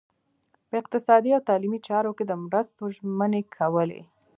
په اقتصادي او تعلیمي چارو کې د مرستو ژمنې کولې.